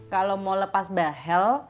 kalo mau lepas bahel